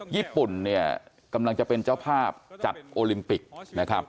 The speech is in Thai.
ญี่ปุ่นเนี่ยกำลังจะเป็นเจ้าภาพจัดโอลิมปิกนะครับ